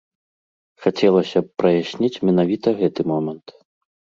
Хацелася б праясніць менавіта гэты момант.